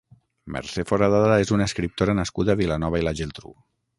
Mercè Foradada és una escriptora nascuda a Vilanova i la Geltrú.